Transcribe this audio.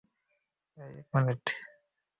এই, এক মিনিট।